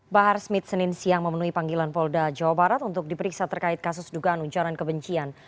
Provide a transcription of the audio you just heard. bahar smith senin siang memenuhi panggilan polda jawa barat untuk diperiksa terkait kasus dugaan ujaran kebencian